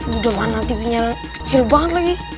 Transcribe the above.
udah mana tv nya kecil banget lagi